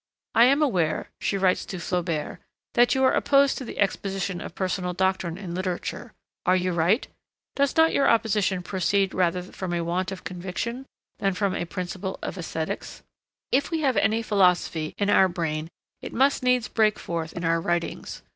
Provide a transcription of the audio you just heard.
'I am aware,' she writes to Flaubert, 'that you are opposed to the exposition of personal doctrine in literature. Are you right? Does not your opposition proceed rather from a want of conviction than from a principle of aesthetics? If we have any philosophy in our brain it must needs break forth in our writings.